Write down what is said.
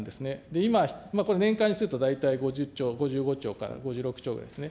今、これ、年間にすると大体５０兆、５５兆から５６兆ですね。